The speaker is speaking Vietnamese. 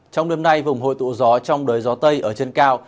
trong đêm nay vùng hội tụ gió trong đời gió tây ở chân cao